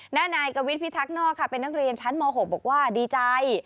หน้านายกวิทย์พิทักษ์นอกค่ะเป็นนักเรียนชั้นม๖บอกว่าดีใจ